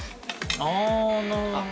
◆ああ、なるほど。